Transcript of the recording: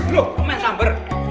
loh komen sambar